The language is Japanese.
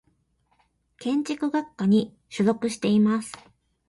建築学科に所属しています。